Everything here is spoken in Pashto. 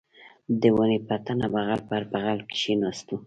د ونې پر تنه بغل پر بغل کښېناستو.